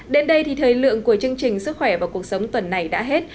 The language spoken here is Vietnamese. đến đây thì thời lượng của chương trình sức khỏe và cuộc sống tuần này đã hết